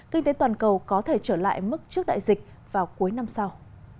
kinh tế toàn cầu có thể trở lại mức trước đại dịch vào cuối năm sau